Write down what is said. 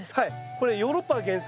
これヨーロッパが原産。